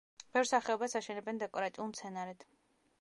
ბევრ სახეობას აშენებენ დეკორატიულ მცენარედ.